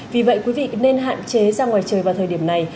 vì vậy quý vị nên hạn chế ra ngoài trời vào thời điểm này